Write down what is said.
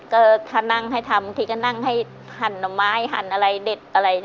ก็ถ้านั่งให้ทำทีก็นั่งให้หั่นหน่อไม้หั่นอะไรเด็ดอะไร